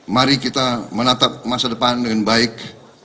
mari kita menatap masa depan dengan baik